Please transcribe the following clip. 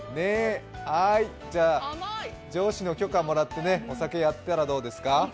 じゃ、上司の許可もらって、お酒やったらどうですか？